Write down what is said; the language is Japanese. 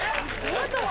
あとは？